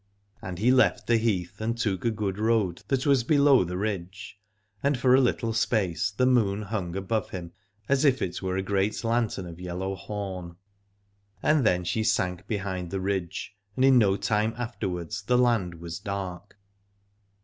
And he left the heath and took a good road that was below the ridge, and for a little space the moon hung above him as it were a great lantern of yellow horn. And then she sank behind the ridge, and in no long time afterwards the land was dark.